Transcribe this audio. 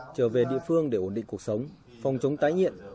trở về địa phương để ổn định cuộc sống phòng chống tái nghiện